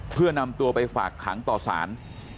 เพื่อนำตัวไปฝากขังต่อสาร